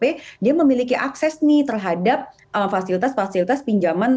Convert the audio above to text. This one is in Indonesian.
sudah memiliki akses nih terhadap fasilitas fasilitas pinjaman